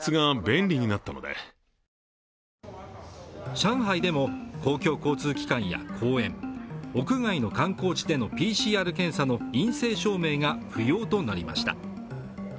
上海でも公共交通機関や公園、屋外の観光地でのＰＣＲ検査の陰性証明が不要となりました。